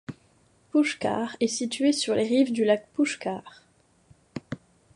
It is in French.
Pushkar est située sur les rives du lac Pushkar.